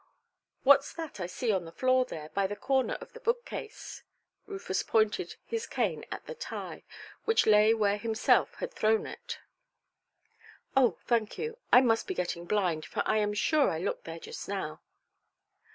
"Whatʼs that I see on the floor there, by the corner of the bookcase"? Rufus pointed his cane at the tie, which lay where himself had thrown it. "Oh, thank you; I must be getting blind, for I am sure I looked there just now".